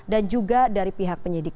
dan juga dari pihak penyidik